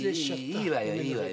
いいわよいいわよ。